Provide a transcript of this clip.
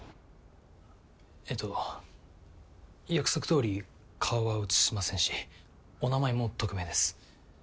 えっと約束どおり顔は映しませんしお名前も匿名です。